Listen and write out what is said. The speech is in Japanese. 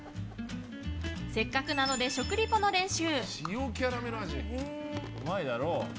せっかくなので食リポの練習。